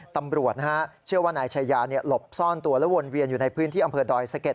ตำรวจเชื่อว่านายชายาหลบซ่อนตัวและวนเวียนอยู่ในพื้นที่อำเภอดอยสะเก็ด